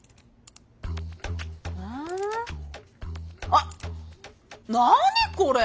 ああっ何これ？